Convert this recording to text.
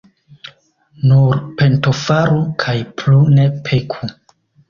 Nur pentofaru kaj plu ne peku.